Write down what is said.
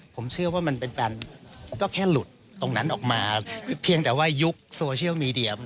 ผมเชื่อว่ามันเป็นการก็แค่หลุดตรงนั้นออกมาเพียงแต่ว่ายุคโซเชียลมีเดีย